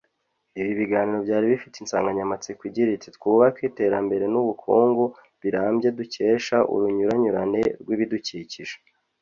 Ibi biganiro byari bifite insanganyamatsiko igira iti “Twubake iterambere n’ubukungu birambye dukesha urunyuranyurane rw’ibidukikije’